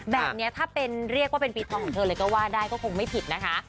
แบบนี้ถ้าเป็นเรียกว่าเป็นปีทองของเธอเลยก็ว่าได้ก็คงไม่ผิดนะคะ